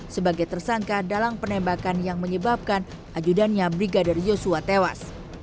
sebagai tersangka dalam penembakan yang menyebabkan ajudannya brigadir yosua tewas